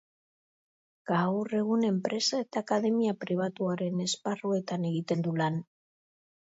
Gaur egun enpresa eta akademia pribatuaren esparruetan egiten du lan.